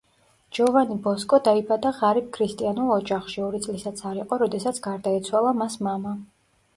ჯოვანი ბოსკო დაიბადა ღარიბ ქრისტიანულ ოჯახში, ორი წლისაც არ იყო როდესაც გარდაეცვალა მას მამა.